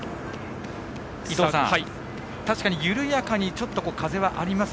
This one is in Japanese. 伊藤さん、確かに緩やかに風はあります。